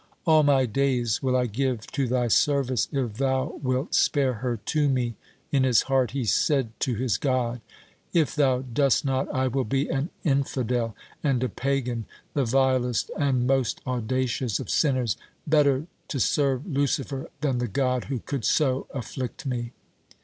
"All my days will I give to Thy service, if Thou wilt spare her to me," in his heart he said to his God. "If Thou dost not, I will be an infidel and a pagan the vilest and most audacious of sinners. Better to serve Lucifer than the God who could so afflict me."